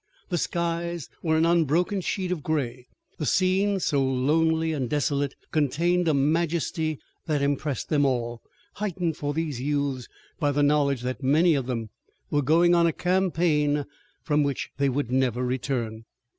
The skies were an unbroken sheet of gray. The scene so lonely and desolate contained a majesty that impressed them all, heightened for these youths by the knowledge that many of them were going on a campaign from which they would never return.